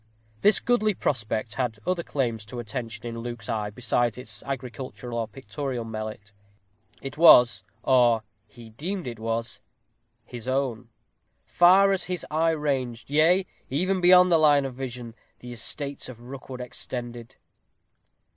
This goodly prospect had other claims to attention in Luke's eyes besides its agricultural or pictorial merit. It was, or he deemed it was, his own. Far as his eye ranged, yea, even beyond the line of vision, the estates of Rookwood extended.